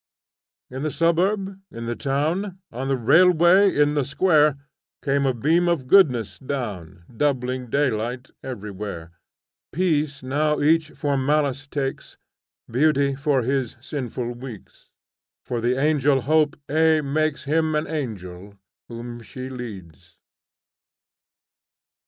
In the suburb, in the town, On the railway, in the square, Came a beam of goodness down Doubling daylight everywhere: Peace now each for malice takes, Beauty for his sinful weeks, For the angel Hope aye makes Him an angel whom she leads. NEW ENGLAND REFORMERS.